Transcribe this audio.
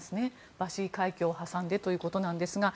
バシー海峡を挟んでということなんですが。